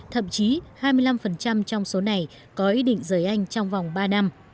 thậm chí hai mươi năm trong số này có ý định rời anh trong vòng ba năm